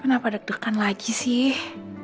kenapa deg degan lagi sih